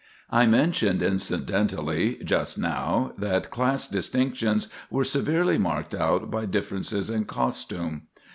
I mentioned incidentally just now that class distinctions were severely marked out by differences in costume.